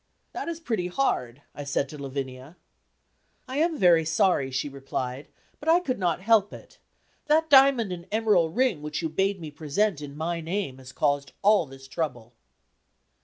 "That is pretty hard," I said to Lavinia. "I am very sorry," she replied, "but I could not help it. That diamond and emerald ring which you bade me present in my name, has caused all this trouble."